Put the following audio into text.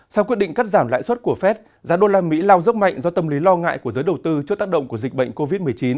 sau quyết định cắt giảm lãi suất của fed giá đô la mỹ lao dốc mạnh do tâm lý lo ngại của giới đầu tư trước tác động của dịch bệnh covid một mươi chín